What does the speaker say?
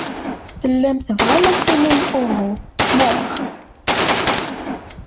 Tellam tebɣam ad d-tinim uhu, naɣ?